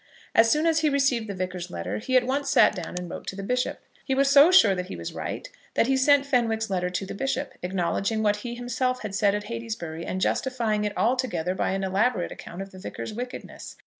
As soon as he received the Vicar's letter he at once sat down and wrote to the bishop. He was so sure that he was right, that he sent Fenwick's letter to the bishop, acknowledging what he himself had said at Heytesbury, and justifying it altogether by an elaborate account of the Vicar's wickedness.